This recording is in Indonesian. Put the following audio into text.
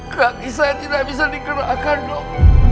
kaki saya tidak bisa digerakkan dok